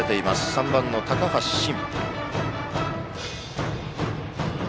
３番の高橋慎。